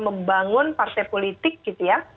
membangun partai politik gitu ya